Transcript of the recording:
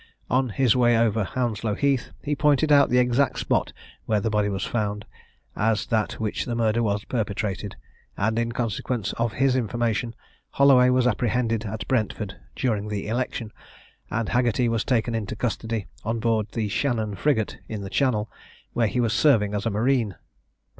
On his way over Hounslow Heath, he pointed out the exact spot where the body was found, as that at which the murder was perpetrated, and in consequence of his information Holloway was apprehended at Brentford, during the election, and Haggerty was taken into custody on board the Shannon frigate, in the Channel, where he was serving as a marine.